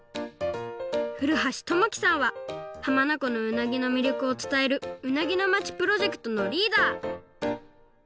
古橋知樹さんははまなこのうなぎのみりょくをつたえる「うなぎのまち」プロジェクトのリーダー。